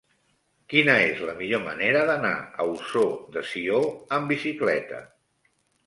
Quina és la millor manera d'anar a Ossó de Sió amb bicicleta?